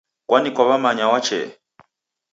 Kwani kwaw'emanya wachee